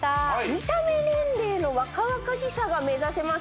見た目年齢の若々しさが目指せます